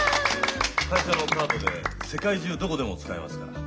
会社のカードで世界中どこでも使えますから。